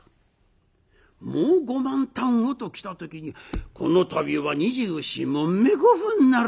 もう５万反をと来た時に「この度は２４匁５分ならば」。